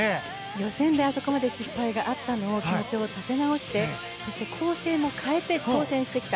予選であそこまで失敗があったのを気持ちを立て直してそして、構成も変えて挑戦してきた。